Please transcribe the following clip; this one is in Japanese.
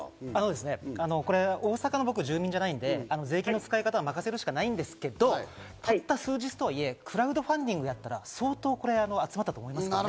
僕、大阪の住民じゃないので税金の使い方は任せるしかないんですけど、たった数日とはいえ、クラウドファンディングだったら相当集まったと思いますね。